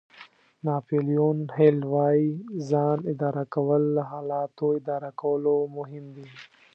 ناپیلیون هېل وایي ځان اداره کول له حالاتو اداره کولو مهم دي.